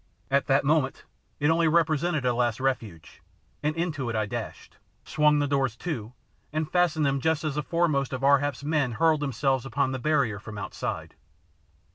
At that moment it only represented a last refuge, and into it I dashed, swung the doors to and fastened them just as the foremost of Ar hap's men hurled themselves upon the barrier from outside.